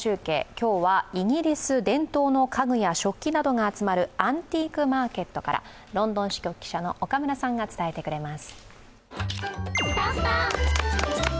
今日はイギリス伝統の家具や食器などが集まるアンティークマーケットから、ロンドン支局記者の岡村さんに伝えてもらいます。